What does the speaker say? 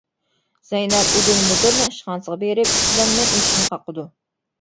زەينەپ ئۇدۇل مۇدىرنىڭ ئىشخانىسىغا بېرىپ ئىككىلەنمەي ئىشىكنى قاقىدۇ.